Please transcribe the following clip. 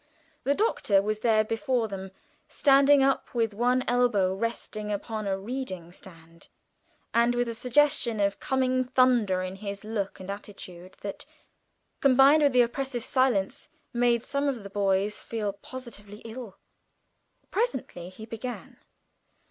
The Doctor was there before them, standing up with one elbow resting upon a reading stand, and with a suggestion of coming thunder in his look and attitude that, combined with the oppressive silence, made some of the boys feel positively ill. Presently he began.